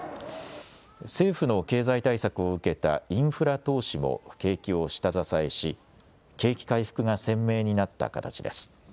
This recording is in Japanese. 政府の経済対策を受けたインフラ投資も景気を下支えし、景気回復が鮮明になった形です。